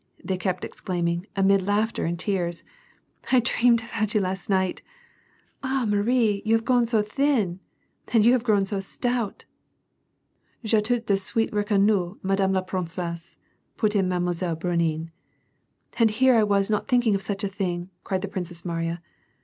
they kept exclaiming, amid laughter and tears. "I dreamed about you last night." " Ah, Marie, you have grown thin." "And you have grown so stout !" *^tPa{ tout de suite recannu inadame la princesse,^^ put in Mile. Bourienne. " And here was I not thinking of such a thing !"• cried the Princess Mariya.